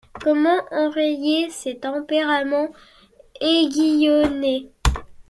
Comment enrayer ces tempéraments aiguillonnés ?